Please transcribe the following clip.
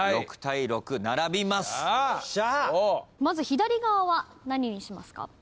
まず左側は何にしますか？